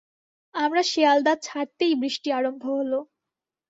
আমরা শেয়ালদা ছাড়তেই বৃষ্টি আরম্ভ হল।